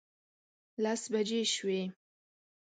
لس بجې شوې.